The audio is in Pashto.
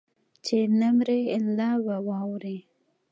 چې نه مرې لا به واورې